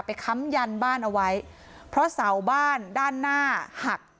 ค้ำยันบ้านเอาไว้เพราะเสาบ้านด้านหน้าหัก